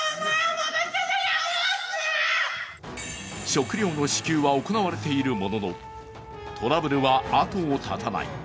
食料の支給は行われているもののトラブルは後を絶たない。